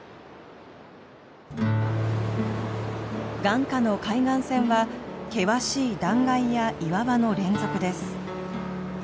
眼下の海岸線は険しい断崖や岩場の連続です。